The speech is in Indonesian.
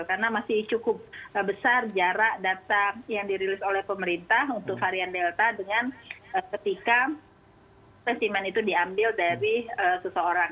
karena masih cukup besar jarak data yang dirilis oleh pemerintah untuk varian delta dengan ketika specimen itu diambil dari seseorang